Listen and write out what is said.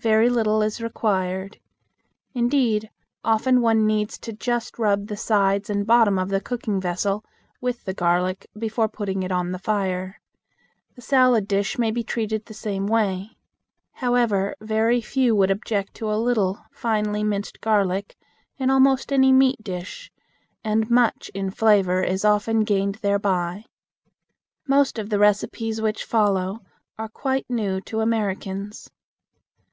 Very little is required. Indeed, often one needs to just rub the sides and bottom of the cooking vessel with the garlic before putting it on the fire. The salad dish may be treated the same way. However, very few would object to a little finely minced garlic in almost any meat dish, and much in flavor is often gained thereby. Most of the recipes which follow are quite new to Americans.